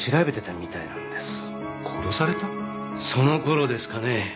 そのころですかね。